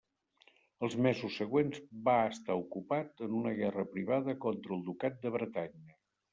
Els mesos següents va estar ocupat en una guerra privada contra el ducat de Bretanya.